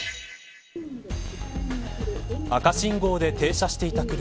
赤信号で停車していた車。